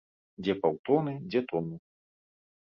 Дзе паўтоны, дзе тону.